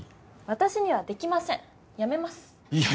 私にはできませんやめますいや